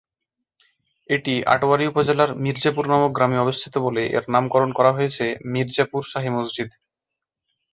এটি আটোয়ারী উপজেলার মির্জাপুর নামক গ্রামে অবস্থিত বলে এর নামকরণ করা হয়েছে মির্জাপুর শাহী মসজিদ।